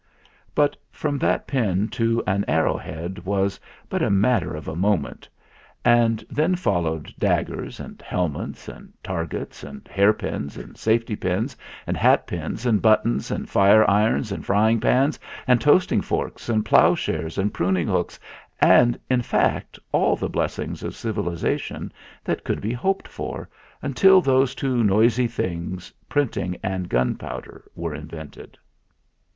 But from that pin to an arrow head was but a matter of a moment; and then followed THE MYSTERY MAN 17 daggers and helmets and targets, and hair pins and safety pins and hat pins, and buttons and fire irons and frying pans, and toasting forks and ploughshares and pruning hooks and, in fact, all the blessings of civilisation that could be hoped for until those two noisy things, printing and gunpowder, were invented.